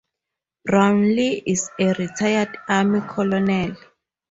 Brownlee is a retired Army colonel.